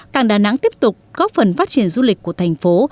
cảng đà nẵng tiếp tục góp phần phát triển du lịch của thành phố